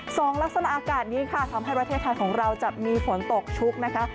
สองลักษณะอากาศนี้ค่ะทำให้ประเทศไทยของเราจะมีฝนตกชุกนะคะ